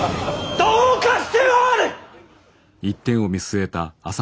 どうかしておる！